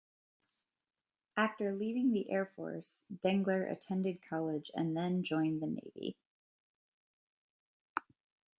After leaving the Air Force, Dengler attended college and then joined the Navy.